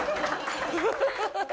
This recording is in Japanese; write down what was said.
アハハハ。